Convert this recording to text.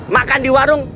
makan di warung